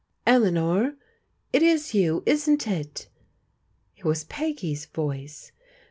" Eleanor ! It is you, isn't it ?" It was Peggy's voice.